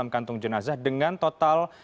kantung jenazah dengan total